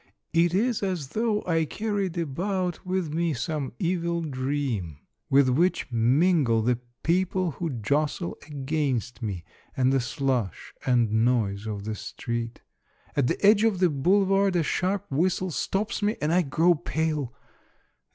It is as though I 230 Monday Tales. carried about with me some evil dream, with which mingle the people who jostle against me, and the slush and noise of the street. At the edge of the boulevard a sharp whistle stops me, and I grow pale.